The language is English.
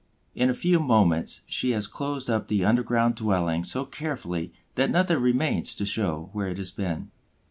In a few moments she has closed up the underground dwelling so carefully that nothing remains to show where it has been.